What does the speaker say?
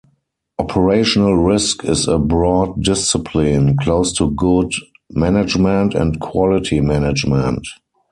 Operational risk is a broad discipline, close to good management and quality management.